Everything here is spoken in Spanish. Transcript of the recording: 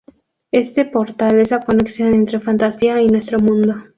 Este portal es la conexión entre Fantasia y nuestro mundo.